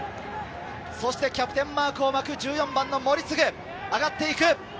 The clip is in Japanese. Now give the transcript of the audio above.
そしてキャプテンマークを巻く１４番の森次、上がっていく。